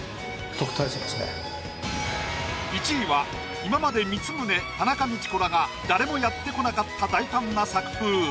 １位は今まで光宗田中道子らが誰もやってこなかった大胆な作風。